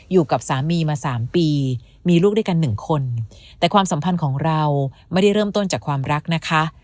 อยู่กับสามีมาสามปีมีลูกด้วยกันหนึ่งคนแต่ความสัมพันธ์ของเราไม่ได้เริ่มต้นจากความรักนะคะ